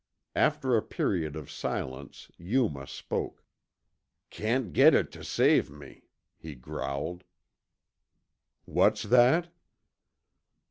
After a period of silence, Yuma spoke. "Can't git it tuh save me," he growled. "What's that?"